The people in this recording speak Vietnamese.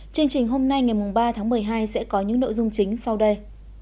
chương trình hôm nay ngày ba tháng một mươi hai sẽ có những nội dung chính sau đây